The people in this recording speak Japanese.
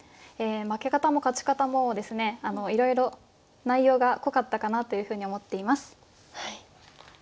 負け方も勝ち方もですねいろいろ内容が濃かったかなというふうに思っています。